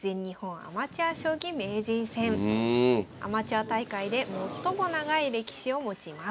アマチュア大会で最も長い歴史を持ちます。